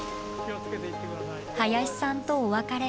林さんとお別れ。